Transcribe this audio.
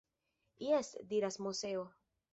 Jes! diras Moseo.